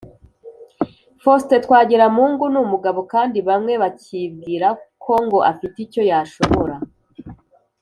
Faustin Twagiramungu ni umugabo kandi bamwe bacyibwira ko ngo afite icyo yashobora